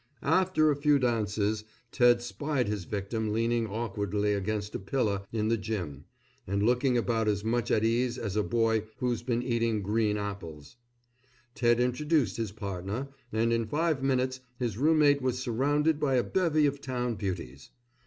After a few dances Ted spied his victim leaning awkwardly against a pillar in the gym, and looking about as much at ease as a boy who's been eating green apples. Ted introduced his partner, and in five minutes his roommate was surrounded by a bevy of town beauties.